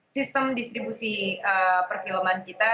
sistem distribusi perfilman kita